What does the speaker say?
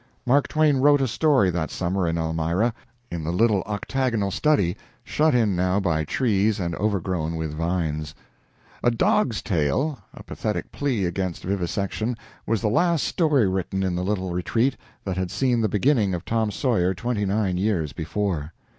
Mark Twain wrote a story that summer in Elmira, in the little octagonal study, shut in now by trees and overgrown with vines. "A Dog's Tale," a pathetic plea against vivisection, was the last story written in the little retreat that had seen the beginning of "Tom Sawyer" twenty nine years before.